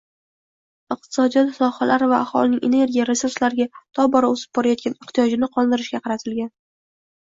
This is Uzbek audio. iqtisodiyot sohalari va aholining energiya resurslariga tobora o‘sib borayotgan ehtiyojini qondirishga qaratilgan